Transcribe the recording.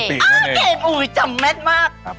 เก่งจำแม่นมาก